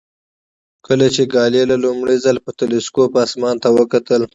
کله چې ګالیله لومړی ځل په تلسکوپ اسمان ته وکتل.